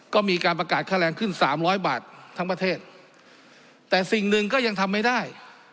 ก็มีการประกาศค่าแรงขึ้นสามร้อยบาททั้งประเทศแต่สิ่งหนึ่งก็ยังทำไม่ได้